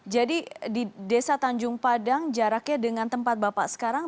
jadi di desa tanjung padang jaraknya dengan tempat bapak sekarang